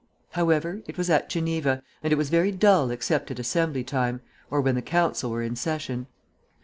However, it was at Geneva, and it was very dull except at Assembly time, or when the Council were in session.